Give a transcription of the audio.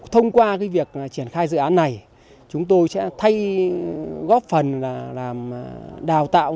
thông qua việc triển khai dự án này chúng tôi sẽ thay góp phần là đào tạo